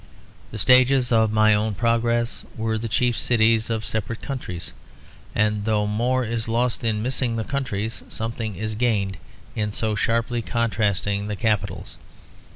The stages of my own progress were the chief cities of separate countries; and though more is lost in missing the countries, something is gained in so sharply contrasting the capitals.